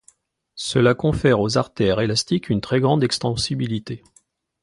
Cela confère aux artères élastiques une très grande extensibilité.